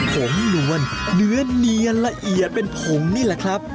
ผงนวลเนื้อเนียนละเอียดเป็นผงนี่แหละครับ